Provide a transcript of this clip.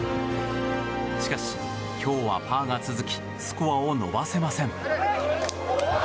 しかし、今日はパーが続きスコアを伸ばせません。